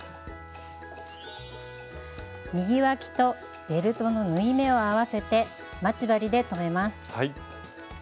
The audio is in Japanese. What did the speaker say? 右わきとベルトの縫い目を合わせて待ち針で留めます。